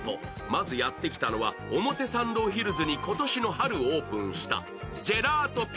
まずやって来たのは、表参道ヒルズに今年の春オープンしたｇｅｌａｔｏｐｉｑｕｅ。